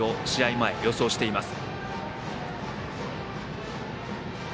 前予想しています。